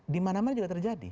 di mana mana juga terjadi